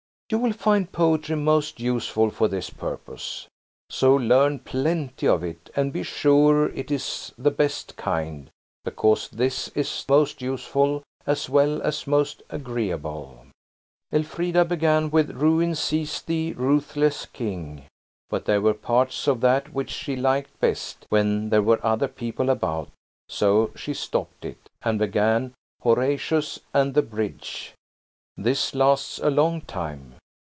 You will find poetry most useful for this purpose. So learn plenty of it, and be sure it is the best kind, because this is most useful as well as most agreeable. "SHE SAW THAT THE NAME WAS 'E. TALBOT.'" Elfrida began with "Ruin seize thee, ruthless King!" but there were parts of that which she liked best when there were other people about–so she stopped it, and began "Horatius and the Bridge." This lasts a long time.